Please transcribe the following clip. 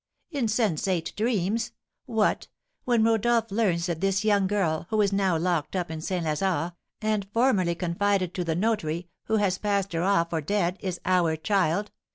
"Insensate dreams! What, when Rodolph learns that this young girl, who is now locked up in St. Lazare, and formerly confided to the notary, who has passed her off for dead, is our child!